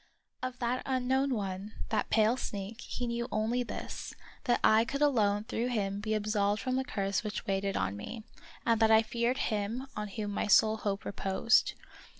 Of that unknown one, that pale sneak, he knew only this: that I could alone through him be absolved from the curse which weighed on me, and that I feared him on whom my sole hope reposed.